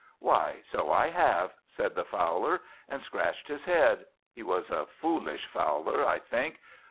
"Why, so I have," said the Fowler, and scratched his head. He was a foolish Fowler, I think.